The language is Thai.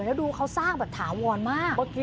แล้วดูเขาสร้างแบบถาวรมาก